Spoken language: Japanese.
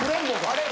あれ？